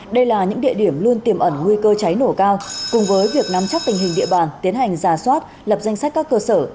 đây là những địa điểm luôn tiềm ẩn nguy cơ cháy nổ cao cùng với việc nắm chắc tình hình địa bàn tiến hành giả soát lập danh sách các cơ sở